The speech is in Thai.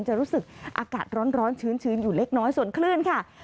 จะรู้สึกอากาศร้อนชื้นอยู่เล็กน้อยส่วนคลื่นค่ะ